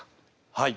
はい！